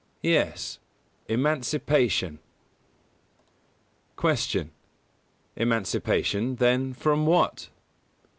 Yes, emancipation. 128. Q. _Emancipation, then, from what?